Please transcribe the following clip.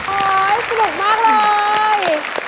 โอ๊ยสนุกมากเลย